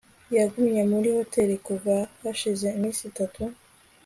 yagumye muri iyo hoteri kuva hashize iminsi itanu